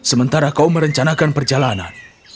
sementara kau merencanakan perjalanan